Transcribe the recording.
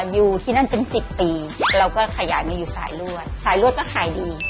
อยู่ที่นั่นเป็นสิบปีเราก็ขยายมาอยู่สายรวดสายรวดก็ขายดี